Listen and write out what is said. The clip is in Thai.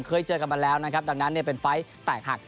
เคยเจอกันมาแล้วนะครับดังนั้นเป็นไฟล์แตกหัก